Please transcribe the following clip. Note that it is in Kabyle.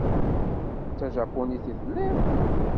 D tajapunit i telliḍ?